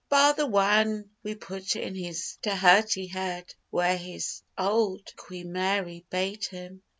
Bar the wan we put in his dhirty head, Where his old Queen Mary bate him.